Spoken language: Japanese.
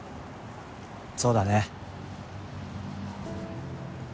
そうだね。